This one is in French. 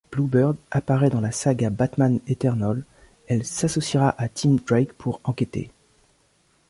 Bluebird apparaît dans la saga Batman Eternal, elle s'associera à Tim Drake pour enquêter.